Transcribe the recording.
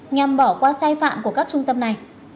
nhằm bỏ qua sai phạm của các trung tâm này